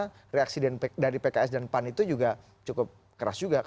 karena reaksi dari pks dan pan itu juga cukup keras juga